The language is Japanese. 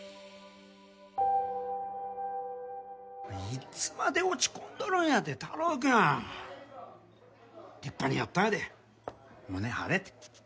いつまで落ち込んどるんやて太郎くん！立派にやったんやで胸張れて！